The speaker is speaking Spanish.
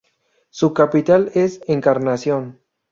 Su capital es Encarnación.